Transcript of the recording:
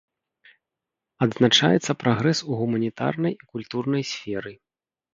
Адзначаецца прагрэс у гуманітарнай і культурнай сферы.